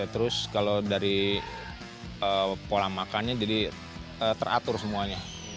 terus kalau dari pola makannya jadi teratur semuanya